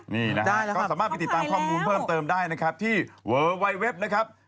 นี่นะก็สามารถไปติดตามข้อมูลเพิ่มเติมได้นะครับที่เวอร์ไวเว็บนะครับ